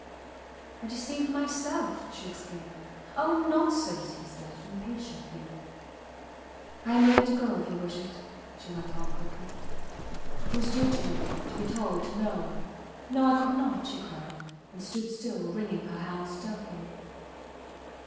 I deceived myself! she exclaimed. Oh! Nonsense! he said, impatiently. I am ready to go if you wish it, she went on, quickly. It was due to you to be told to know. No! I could not! she cried, and stood still wringing her hands stealthily.